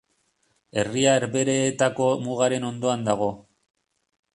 Herria Herbehereetako mugaren ondoan dago.